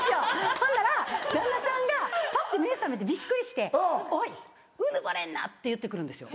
ほんなら旦那さんがパッて目覚めてびっくりして「おいうぬぼれんな」って言って来るんですよ。